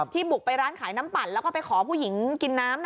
บุกไปร้านขายน้ำปั่นแล้วก็ไปขอผู้หญิงกินน้ำ